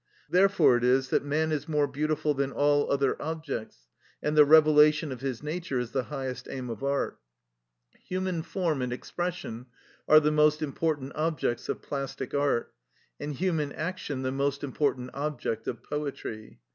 Therefore it is that man is more beautiful than all other objects, and the revelation of his nature is the highest aim of art. Human form and expression are the most important objects of plastic art, and human action the most important object of poetry.